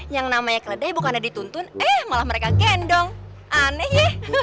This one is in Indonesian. yang namanya keledai bukannya dituntun eh malah mereka gendong aneh ya